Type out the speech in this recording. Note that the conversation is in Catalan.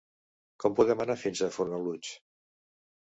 Com podem anar fins a Fornalutx?